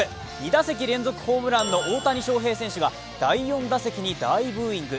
２打席連続ホームランの大谷翔平選手が第４打席に大ブーイング